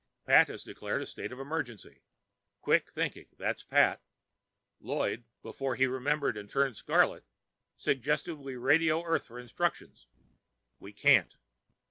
Pat has declared a state of emergency. Quick thinking, that's Pat. Lloyd, before he remembered and turned scarlet, suggested we radio Earth for instructions. We can't.